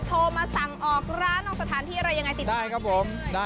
โทรมาสั่งออกร้านหรือสถานที่อะไรอย่างไร